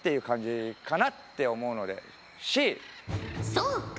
そうか。